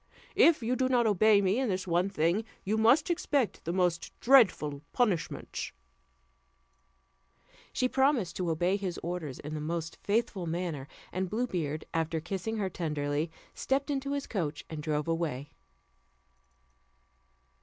If you do not obey me in this one thing, you must expect the most dreadful punishments." She promised to obey his orders in the most faithful manner; and Blue Beard, after kissing her tenderly, stepped into his coach, and drove away.